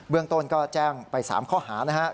เรื่องต้นก็แจ้งไป๓ข้อหานะครับ